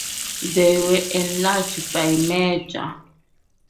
They were enlarged by merger.